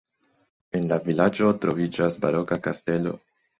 En la vilaĝo troviĝas baroka kastelo.